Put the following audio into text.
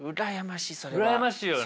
うらやましいよね。